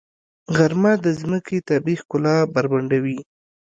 غرمه د ځمکې طبیعي ښکلا بربنډوي.